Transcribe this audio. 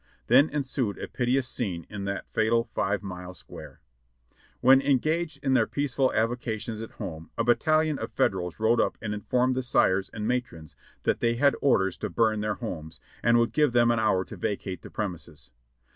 Then ensued a piteous scene in that fatal five mile square. A\'hen engaged in their peaceful avocations at home, a battalion of Federals rode up and informed the sires and matrons that they had orders to burn their homes, and would give them an hour to vacate the premises.